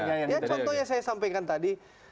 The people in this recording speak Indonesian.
ya contohnya saya sampaikan tadi